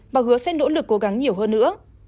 bà hứa sẽ nỗ lực cố gắng nhiều hơn nữa